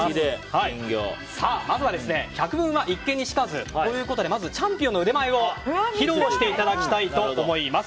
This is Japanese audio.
まずは、百聞は一見に如かずということでチャンピオンの腕前を披露していただきたいと思います。